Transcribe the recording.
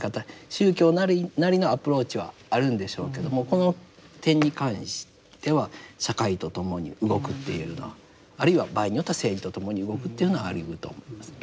宗教なりのアプローチはあるんでしょうけどもこの点に関しては社会と共に動くっていうのはあるいは場合によっては政治と共に動くっていうのはありうると思いますね。